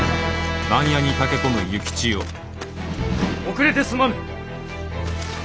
遅れてすまぬ！